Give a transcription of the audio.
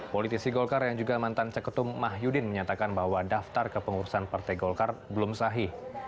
politisi golkar yang juga mantan ceketum mahyudin menyatakan bahwa daftar kepengurusan partai golkar belum sahih